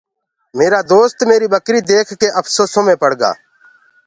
ميرآ دوست ٻڪريٚ مُريٚ ديک ڪي اڦسوسو مي پڙگآ۔